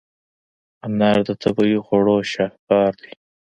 انار د طبیعي خواړو شاهکار دی.